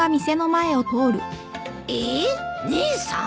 えっ姉さん？